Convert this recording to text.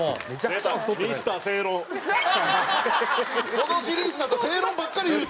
このシリーズになると正論ばっかり言うて。